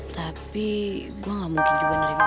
tapi gue gak mungkin juga nerima motor